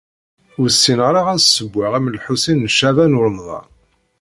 Ur ssineɣ ara ad ssewweɣ am Lḥusin n Caɛban u Ṛemḍan.